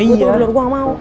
gua tengah tidur gua ga mau